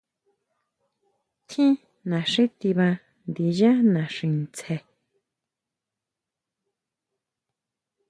Tjín naxí tiba ndiyá naxi tsjen.